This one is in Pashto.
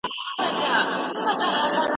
دا موضوع زما لپاره خورا په زړه پوري وه.